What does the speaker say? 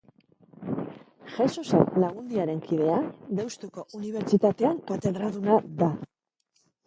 Jesusen Lagundiaren kidea, Deustuko Unibertsitatean katedraduna da.